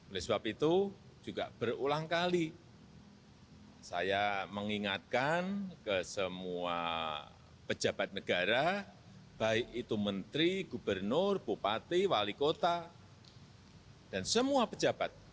oleh sebab itu juga berulang kali saya mengingatkan ke semua pejabat negara baik itu menteri gubernur bupati wali kota dan semua pejabat